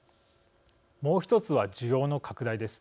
もう１つは需要の拡大です。